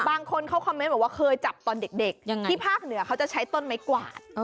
บางคนเขาคอมเมนต์บอกว่าเคยจับตอนเด็กที่ภาคเหนือเขาจะใช้ต้นไม้กวาด